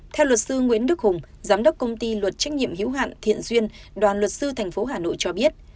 theo luật sư nguyễn đức hùng giám đốc công ty luật trách nhiệm hữu hạn thiện duyên đoàn luật sư tp hà nội cho biết